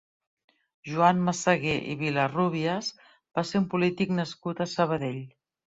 Joan Massagué i Vilarrúbias va ser un polític nascut a Sabadell.